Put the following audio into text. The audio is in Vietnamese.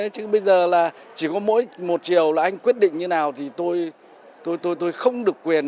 chứ bây giờ là chỉ có mỗi một chiều là anh quyết định như nào thì tôi tôi không được quyền